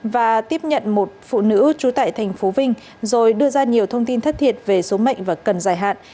và tiếp nhận một phụ nữ trú tại thành phố vinh rồi đưa ra nhiều thông tin thất thiệt về số mệnh và cần giải hạn